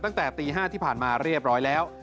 ตั้งแต่ตี๕ที่ผ่านมาเรียบร้อยแล้ว